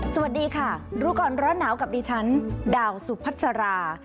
สวัสดีค่ะรู้ก่อนร้อนหนาวกับดิฉันดาวสุพัสรา